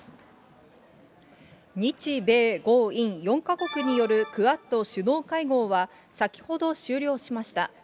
日米豪印４か国によるクアッド首脳会合は、先ほど終了しました。